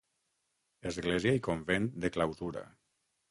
Església i convent de clausura.